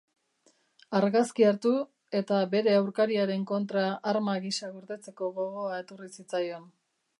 Argazkia hartu eta bere aurkariaren kontra arma gisa gordetzeko gogoa etorri zitzaion.